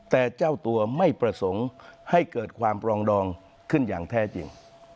แต่เจ้าตัวไม่ประสงค์ให้เกิดความปรองดองขึ้นอย่างแท้จริง